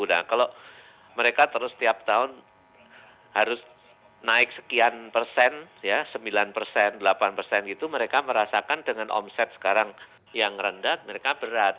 nah kalau mereka terus setiap tahun harus naik sekian persen sembilan persen delapan persen gitu mereka merasakan dengan omset sekarang yang rendah mereka berat